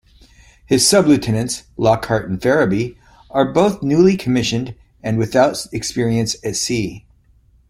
His sub-lieutenants, Lockhart and Ferraby, are both newly commissioned and without experience at sea.